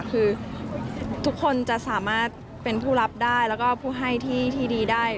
คือทุกคนจะสามารถเป็นผู้รับได้แล้วก็ผู้ให้ที่ดีได้